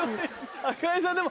赤井さんでも。